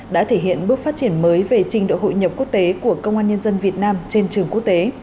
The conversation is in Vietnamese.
đã thể hiện bước phát triển mới về trình độ hội nhập quốc tế của công an nhân dân việt nam trên trường quốc tế